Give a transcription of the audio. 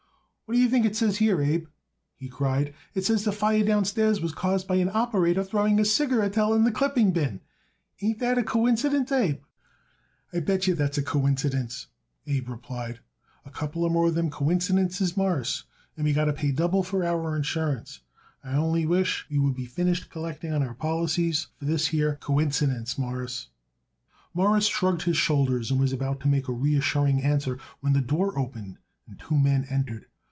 "What you think it says here, Abe?" he cried. "It says the fire downstairs was caused by an operator throwing a cigarettel in the clipping bin. Ain't that a quincidence, Abe?" "I bet yer that's a quincidence," Abe replied. "A couple more of them quincidences, Mawruss, and we got to pay double for our insurance. I only wish we would be finished collecting on our policies for this here quincidence, Mawruss." Morris shrugged his shoulders and was about to make a reassuring answer when the door opened and two men entered.